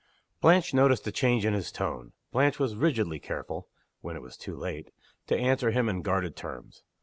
Blanche noticed a change in his tone. Blanche was rigidly careful (when it was too late) to answer him in guarded terms.